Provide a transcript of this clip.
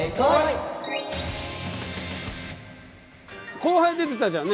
後輩出てたじゃんね。